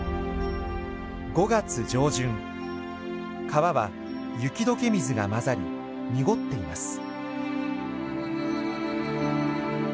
川は雪解け水が混ざり濁っています。